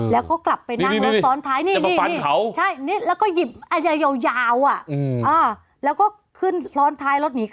แล้วก็กลับไปนั่งรถซ้อนท้ายนี่